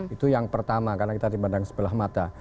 itu yang pertama karena kita dipandang sebelah mata